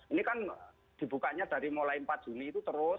ini kan dibukanya dari mulai empat juni itu terus